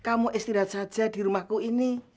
kamu istirahat saja di rumahku ini